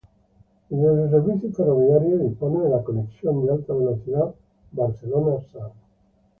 Entre sus servicios ferroviarios, dispone de la conexión de alta velocidad a Barcelona-Sants.